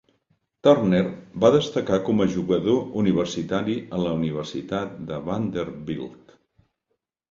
Turner va destacar com a jugador universitari a la Universitat de Vanderbilt.